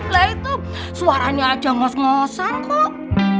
lah itu suaranya aja ngos ngosan kok